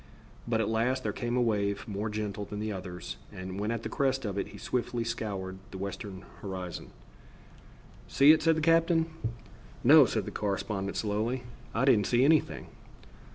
But at last there came a wave more gentle than the others, and when at the crest of it he swiftly scoured the western horizon. "See it?" said the captain. "No," said the correspondent slowly, "I didn't see anything."